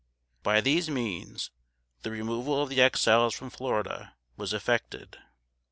By these means the removal of the Exiles from Florida was effected.